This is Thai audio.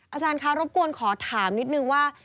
อาจารย์คะรบกวนขอถามนิดนึงว่า